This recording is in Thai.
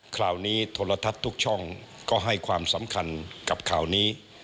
คราวนี้โทรทัศน์ทุกช่องก็ให้ความสำคัญกับข่าวนี้